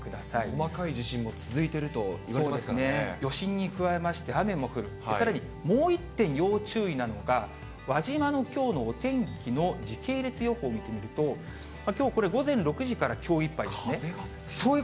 細かい地震も続いているといそうですね、余震に加えまして、雨も降る、さらにもう一点要注意なのが、輪島のきょうのお天気の時系列予報見てみると、きょうこれ、午前６時からきょういっぱいですね。